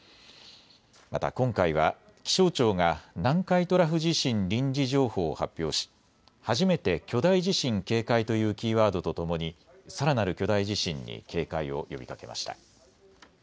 また今回は気象庁が南海トラフ地震臨時情報を発表し初めて巨大地震警戒というキーワードとともにさらなる巨大地震に警戒を呼びかけました。